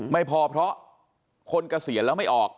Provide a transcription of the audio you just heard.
ไม่พอเพราะคนเกษียณแล้วไม่ออก